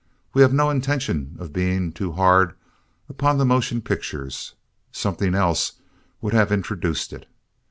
We have no intention of being too hard upon the motion pictures. Something else would have introduced it.